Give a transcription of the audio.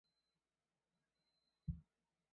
球迷称呼其为孖润肠尼马。